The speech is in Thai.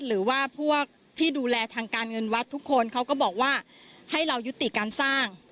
หรือว่าพวกที่ดูแลทางการเงินวัดทุกคนเขาก็บอกว่าให้เรายุติการสร้าง